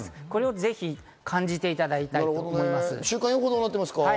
ぜひ感じていただきたいと思います。